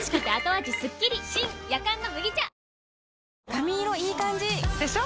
髪色いい感じ！でしょ？